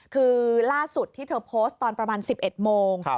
คือล่าสุดที่เธอโพสต์ตอนประมาณ๑๑โมง